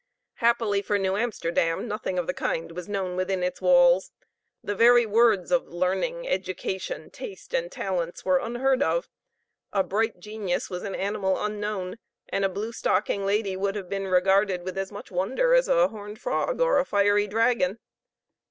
Happily for New Amsterdam, nothing of the kind was known within its walls the very words of learning, education, taste, and talents were unheard of a bright genius was an animal unknown, and a blue stocking lady would have been regarded with as much wonder as a horned frog or a fiery dragon.